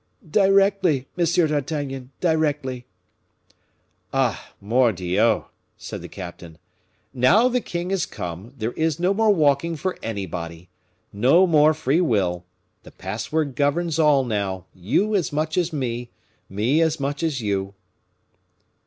"Directly, Monsieur d'Artagnan, directly!" "Ah, mordioux!" said the captain, "now the king is come, there is no more walking for anybody no more free will; the password governs all now, you as much as me, me as much as you."